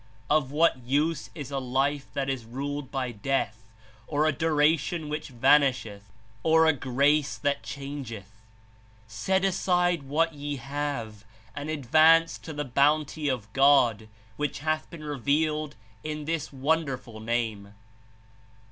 Of what use is a life that is ruled by death, or a duration which vanisheth, 97 or a grace that changeth? Set aside what ye have and advance to the Bounty of God, which hath been revealed in this Wonderful Name."